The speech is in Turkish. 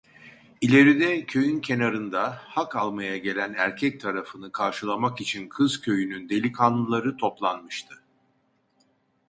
İleride, köyün kenarında, "hak almaya" gelen erkek tarafını karşılamak için kız köyünün delikanlıları toplanmıştı.